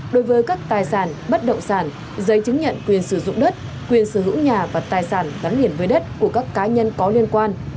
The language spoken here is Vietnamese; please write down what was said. đối với các tài sản bất động sản giấy chứng nhận quyền sử dụng đất quyền sở hữu nhà và tài sản gắn liền với đất của các cá nhân có liên quan